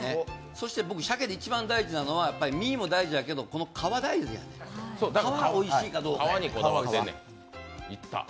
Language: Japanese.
そして僕、鮭で一番大事なのは身も大事だけど皮がおいしいかどうか。